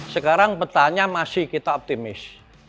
sekarang petanya masih kita optimis